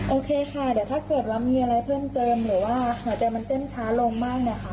โอเคค่ะเดี๋ยวถ้าเกิดว่ามีอะไรเพิ่มเติมหรือว่าหัวใจมันเต้นช้าลงมากเนี่ยค่ะ